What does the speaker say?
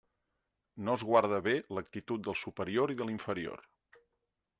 No es guarda bé l'actitud del superior i de l'inferior.